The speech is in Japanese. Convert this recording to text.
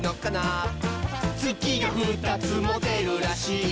「つきが２つもでるらしい」